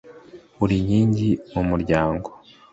uri inkingi mu muryango